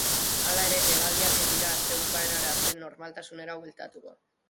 Hala ere, hegaldiak ez dira aste bukaerara arte normaltasunera bueltatuko.